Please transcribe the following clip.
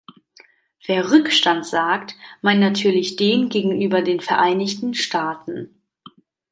Wer Rückstand sagt, meint natürlich den gegenüber den Vereinigten Staaten.